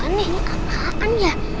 aneh ini apaan ya